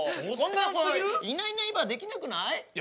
いないいないばあできなくない？